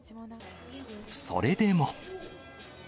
それでも。